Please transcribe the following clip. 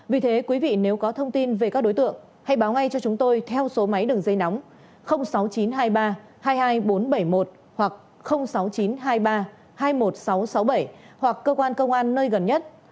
vì thế quý vị nếu có thông tin về các đối tượng hãy báo ngay cho chúng tôi theo số máy đường dây nóng sáu mươi chín hai mươi ba hai mươi hai nghìn bốn trăm bảy mươi một hoặc sáu mươi chín hai mươi ba hai mươi một nghìn sáu trăm sáu mươi bảy hoặc cơ quan công an nơi gần nhất